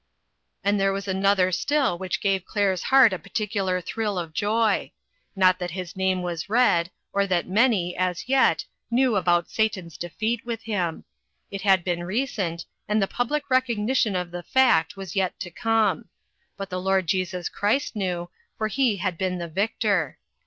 And there was another still which gave Claire's heart a peculiar thrill of joy. Not that his name was raad, or that many, as yet, knew about Satan's defeat with him. It had been recent, and the public recogni tion of the fact was yet to come. But the Lord Jesus Christ knew, for he had been the victor.